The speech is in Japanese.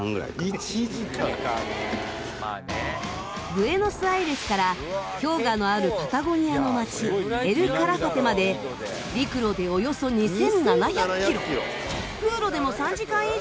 ブエノス・アイレスから氷河のあるパタゴニアの街エル・カラファテまで陸路でおよそ２７００キロ。